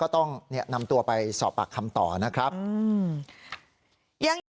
ต้องนำตัวไปสอบปากคำต่อนะครับ